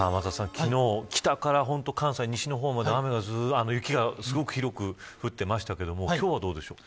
昨日、北から関西の方まで雪がすごく広く降ってましたけども今日はどうですか。